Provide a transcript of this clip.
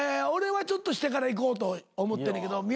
俺はちょっとしてから行こうと思ってんねんけど。